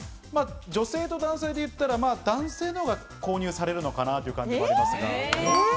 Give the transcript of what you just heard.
女性と男性でいったら、男性のほうが購入されるのかなという感じもありますが。